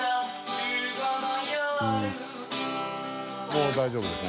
もう大丈夫です。